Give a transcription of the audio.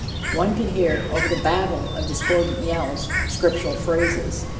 One could hear, over the babel of discordant yells, scriptural phrases.